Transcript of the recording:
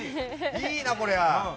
いいな、こりゃ。